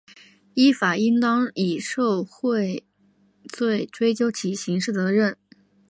依法应当以受贿罪追究其刑事责任